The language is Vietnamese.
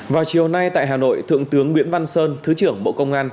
vào chiều nay tại hà nội thượng tướng nguyễn văn sơn thứ trưởng bộ công an